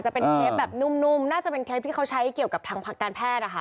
จะเป็นเคสแบบนุ่มน่าจะเป็นเคสที่เขาใช้เกี่ยวกับทางการแพทย์นะคะ